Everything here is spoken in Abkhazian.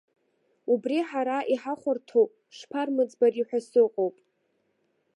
Убра ҳара иҳахәарҭоу шԥармыӡбари ҳәа сыҟоуп.